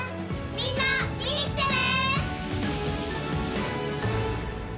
みんな見にきてね！